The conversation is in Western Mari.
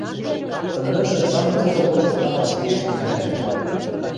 Тымдышы самой стӧл лошты тамам сирен шӹнзӓ ыльы.